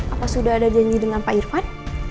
apa sudah ada janji dengan pak irfan